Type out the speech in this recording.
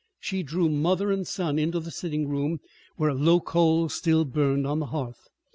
She drew mother and son into the sitting room, where low coals still burned on the hearth.